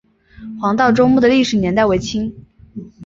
黄道周墓的历史年代为清。